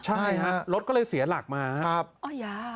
ใช่ครับรถก็เลยเสียหลักมาครับ